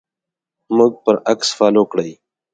موږ پر اکس فالو کړئ